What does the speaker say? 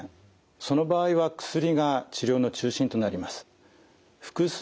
その場合は薬が治療の中心となります。